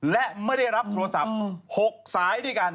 และไม่ได้รับโทรศัพท์๖สายด้วยกัน